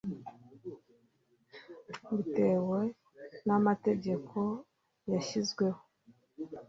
mbitewe n amategeko yashyzweho